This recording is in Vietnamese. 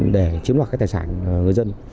để chiếm đoạt các tài sản người dân